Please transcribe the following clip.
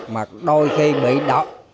mà đôi khi bị động